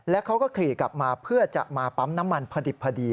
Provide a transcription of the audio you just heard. และเขาก็ขี่กลับมาเพื่อจะมาปั๊มน้ำมันพอดิบพอดี